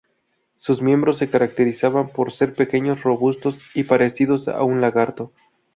Sus miembros se caracterizaban por ser pequeños, robustos y parecidos a un lagarto.